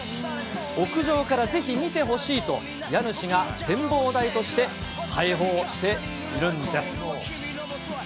屋上からぜひ見てほしいと家主が展望台として開放しているんです。